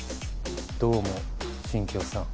どうも進京さん。